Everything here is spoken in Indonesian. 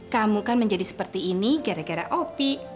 kamu kan menjadi seperti ini gara gara opi